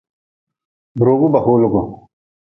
Bi ruugu ba hoolgu.